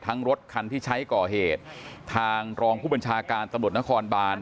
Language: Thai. รถคันที่ใช้ก่อเหตุทางรองผู้บัญชาการตำรวจนครบาน